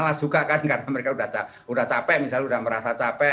malas juga kan karena mereka sudah capek misalnya sudah merasa capek